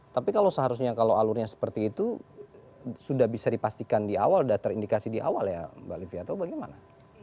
tapi kalau seharusnya kalau alurnya seperti itu sudah bisa dipastikan di awal sudah terindikasi di awal ya mbak livia atau bagaimana